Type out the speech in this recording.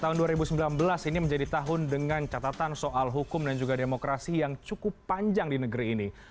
tahun dua ribu sembilan belas ini menjadi tahun dengan catatan soal hukum dan juga demokrasi yang cukup panjang di negeri ini